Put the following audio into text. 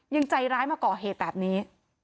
ยังใจร้ายมาก่อเหตุแบบนี้